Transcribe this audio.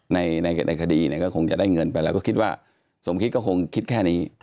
ในคดีก็คงจะได้เงินไปแล้วก็คิดว่าสมคิดก็คงคิดแค่นี้